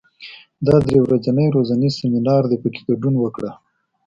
دا درې ورځنی روزنیز سیمینار دی، په کې ګډون وکړه.